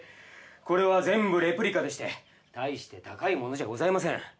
これは全部レプリカでして大して高い物じゃございません。